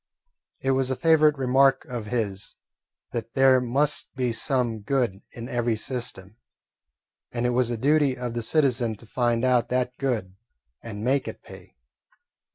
It was a favourite remark of his that there must be some good in every system, and it was the duty of the citizen to find out that good and make it pay.